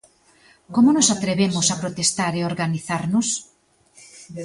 Como nos atrevemos a protestar e organizarnos?